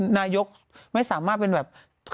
นายกไม่สามารถเป็นแบบ